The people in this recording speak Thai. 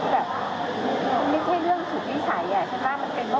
แล้วก็เรื่องแบบนี้เราสูญเสียไปเท่าไหร่แล้ว